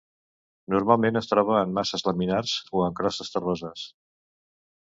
Normalment es troba en masses laminars o en crostes terroses.